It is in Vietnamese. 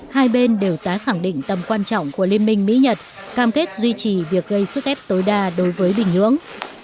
hai bên đều tái khẳng định tầm quan trọng của liên minh mỹ nhật cam kết duy trì việc gây sức ép tối đa đối với bình nhưỡng